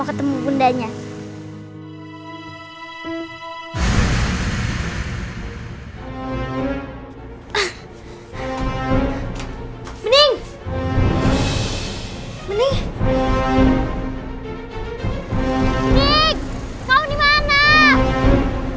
setidaknya kamu langsung masuk